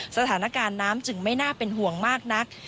สถานการณ์น้ำจึงไม่น่าเป็นห่วงมากนัก